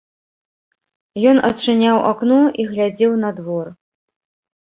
Ён адчыняў акно і глядзеў на двор.